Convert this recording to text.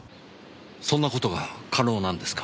そんなことが可能なんですか？